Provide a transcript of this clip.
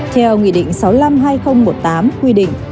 theo nghị định sáu trăm năm mươi hai nghìn một mươi tám quy định